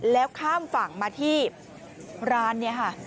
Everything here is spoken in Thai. แล้วข้ามฝั่งมาที่ร้านเนี่ยค่ะ